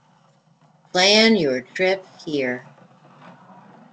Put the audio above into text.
Plan your trip here.